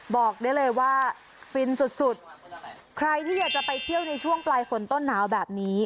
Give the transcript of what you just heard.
บอกได้เลยว่าฟินสุดสุดใครที่อยากจะไปเที่ยวในช่วงปลายฝนต้นหนาวแบบนี้